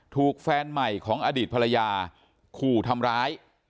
ถูกแฟนใหม่ของอดีตภรรยาขู่ทำร้าย